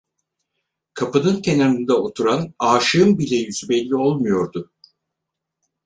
Kapının kenarında oturan aşığın bile yüzü belli olmuyordu.